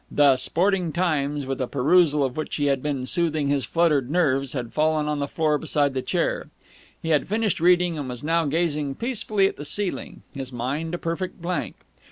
The Sporting Times, with a perusal of which he had been soothing his fluttered nerves, had fallen on the floor beside the chair. He had finished reading, and was now gazing peacefully at the ceiling, his mind a perfect blank.